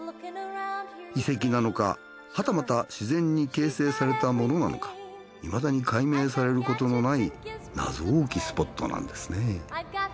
遺跡なのかはたまたしぜんに形成されたものなのかいまだに解明されることのない謎多きスポットなんですね。